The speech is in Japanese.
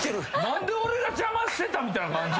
何で俺が邪魔してたみたいな感じやの？